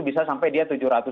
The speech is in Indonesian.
bisa sampai dia tujuh ratus an